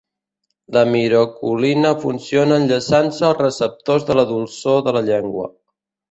La miraculina funciona enllaçant-se als receptors de la dolçor de la llengua.